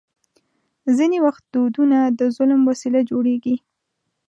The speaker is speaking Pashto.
ځینې وخت دودونه د ظلم وسیله جوړېږي.